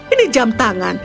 ini jam tangan